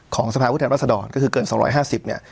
ของสภาพฤทธิ์รัฐสดรก็คือเกินสองร้อยห้าสิบเนี่ย